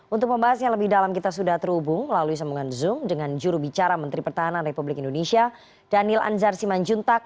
untuk pembahas yang lebih dalam kita sudah terhubung melalui sambungan zoom dengan jurubicara menteri pertahanan republik indonesia daniel anzar simanjuntak